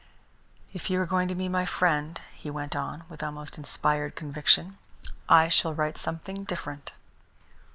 "If you are going to be my friend," he went on, with almost inspired conviction, "I shall write something different."